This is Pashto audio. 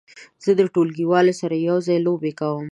زه د ټولګیوالو سره یو ځای لوبې کوم.